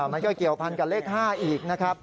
มันก็เกี่ยวพันกับเลข๕อีกนะครับ